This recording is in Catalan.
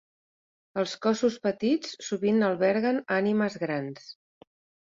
Els cossos petits sovint alberguen ànimes grans.